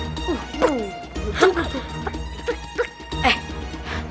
tuk tuk tuk